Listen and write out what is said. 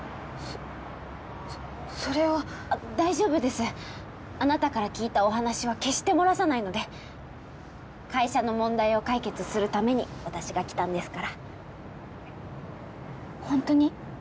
そそれは大丈夫ですあなたから聞いたお話は決して漏らさないので会社の問題を解決するために私が来たんですから本当に？